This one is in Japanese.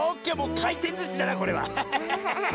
かいてんずしだなこれは！